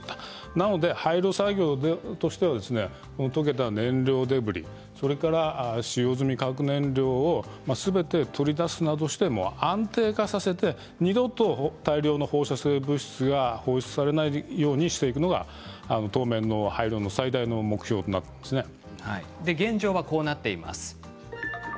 ですので廃炉作業としては溶けた燃料デブリ、それから使用済み核燃料をすべて取り出すなどして安定化させて二度と大量の放射性物質が放出されないようにしなくてはいけないのが当面の現状はこちらです。